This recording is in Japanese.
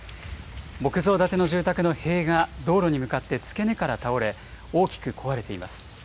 木造建ての住宅の塀が道路に向かって付け根から倒れ、大きく壊れています。